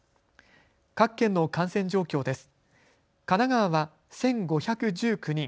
各県の感染状況です。